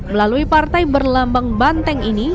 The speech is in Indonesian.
melalui partai berlambang banteng ini